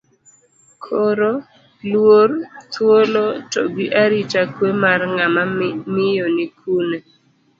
Koro, luor, thuolo to gi arita kwe mar ng'ama miyo ni kune?